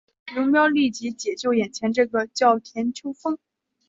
龙飙立即解救眼前这个叫田秋凤。